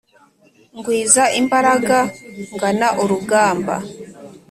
Ngwiza imbaraga ngana urugamba.